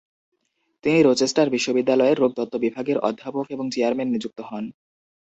তিনি রোচেস্টার বিশ্ববিদ্যালয়ের রোগতত্ত্ব বিভাগের অধ্যাপক এবং চেয়ারম্যান নিযুক্ত হন।